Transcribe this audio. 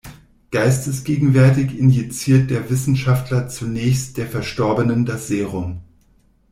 Geistesgegenwärtig injiziert der Wissenschaftler zunächst der Verstorbenen das Serum.